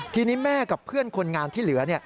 ทีนี้แม่กับเพื่อนคนงานที่เหลือ